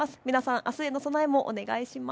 あすの備えもお願いします。